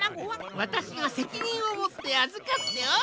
わたしがせきにんをもってあずかっておる。